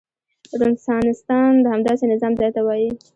رنسانستان د همداسې نظام ځای ته وايي.